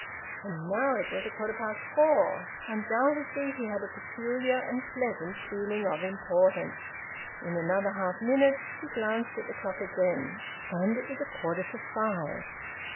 And now it was a quarter past four. Undoubtedly he had a peculiar, and pleasant, feeling of importance. In another half minute he glanced at the clock again, and it was a quarter to five.